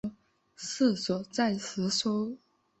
治所在梓州。